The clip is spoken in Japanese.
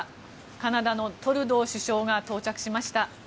カナダのトルドー首相が到着しました。